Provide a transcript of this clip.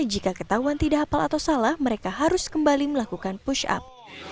jika ketahuan tidak hafal atau salah mereka harus kembali melakukan push up